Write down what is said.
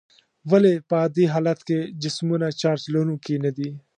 ولې په عادي حالت کې جسمونه چارج لرونکي ندي؟